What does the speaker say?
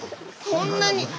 こんなに！